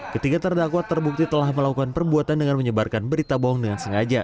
ketiga terdakwa terbukti telah melakukan perbuatan dengan menyebarkan berita bohong dengan sengaja